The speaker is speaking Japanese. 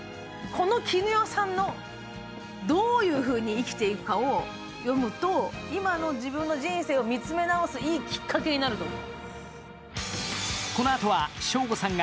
この絹代さんがどう生きていくのかを見ると、今の自分の人生を見つめ直す、いいきっかけになると思う。